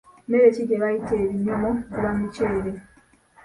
Mmere ki gye bayita ey'ebinyomo guba muceere